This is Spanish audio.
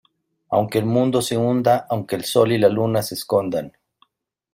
aunque el mundo se hunda, aunque el Sol y la Luna se escondan